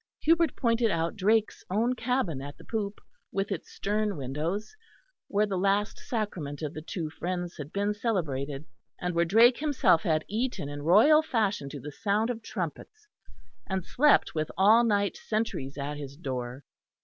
Hubert pointed out Drake's own cabin at the poop, with its stern windows, where the last sacrament of the two friends had been celebrated; and where Drake himself had eaten in royal fashion to the sound of trumpets and slept with all night sentries at his door.